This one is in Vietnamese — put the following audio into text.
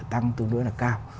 tăng tương đối là cao